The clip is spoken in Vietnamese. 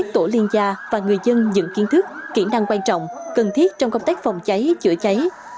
tổ liên gia và người dân dựng kiến thức kỹ năng quan trọng cần thiết trong công tác phòng cháy chữa cháy